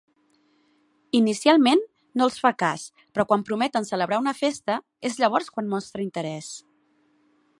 Inicialment no els fa cas, però quan prometen celebrar una festa és llavors quan mostra interès.